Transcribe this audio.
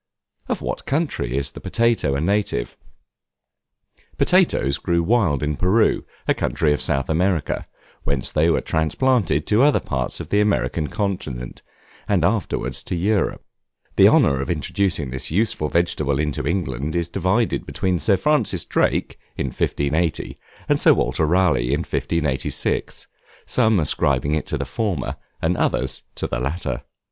Of what country is the Potato a native? Potatoes grew wild in Peru, a country of South America; whence they were transplanted to other parts of the American continent, and afterwards to Europe. The honor of introducing this useful vegetable into England is divided between Sir Francis Drake, in 1580, and Sir Walter Raleigh, in 1586, some ascribing it to the former, and others to the latter.